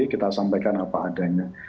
kita sampaikan apa adanya